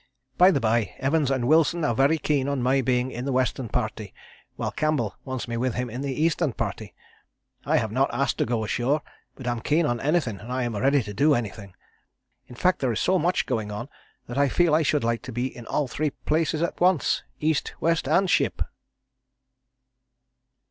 By the bye Evans and Wilson are very keen on my being in the Western Party, while Campbell wants me with him in the Eastern Party. I have not asked to go ashore, but am keen on anything and am ready to do anything. In fact there is so much going on that I feel I should like to be in all three places at once East, West and Ship."